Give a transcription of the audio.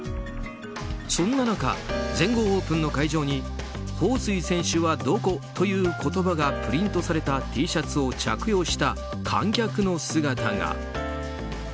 そんな中、全豪オープンの会場にホウ・スイ選手はどこ？という言葉がプリントされたＴシャツを着用した観客の姿が。